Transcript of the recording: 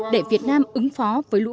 để việt nam ứng phó với lũ quét